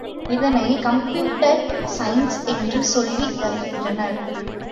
இதனை computer science என்று சொல்லி வருகின்றனர்.